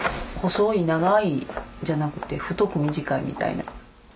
細い長いんじゃなくて太く短いみたいな。